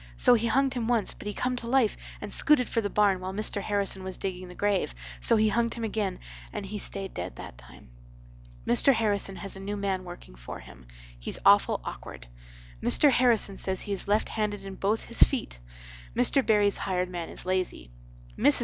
So he hunged him once but he come to life and scooted for the barn while Mr. Harrison was digging the grave, so he hunged him again and he stayed dead that time. Mr. Harrison has a new man working for him. He's awful okward. Mr. Harrison says he is left handed in both his feet. Mr. Barry's hired man is lazy. Mrs.